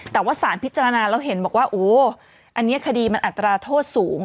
แต่ว่าสารพิจารณาแล้วเห็นบอกว่าโอ้อันนี้คดีมันอัตราโทษสูง